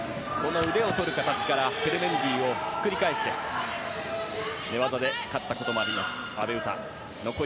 腕をとる形からケルメンディをひっくり返して寝技で勝ったこともある阿部詩。